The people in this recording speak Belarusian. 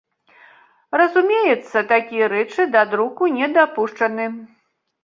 Разумеецца, такія рэчы да друку не дапушчаны.